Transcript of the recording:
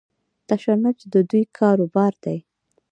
تشنج د دوی کاروبار دی.